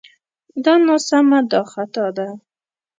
دا ناسمه دا خطا ده